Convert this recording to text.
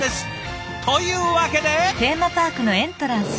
というわけで。